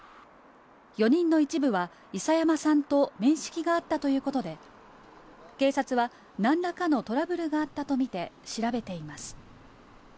４人の一部は諌山さんと面識があったということで、警察は何らかのトラブルがあったとみて調べています。